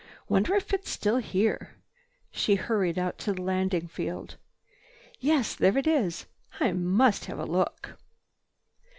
"Wonder if it's still here." She hurried out to the landing field. "Yes, there it is! I must have a look."